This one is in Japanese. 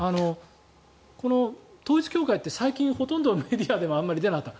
この統一教会って最近ほとんどメディアではあまり出なかった。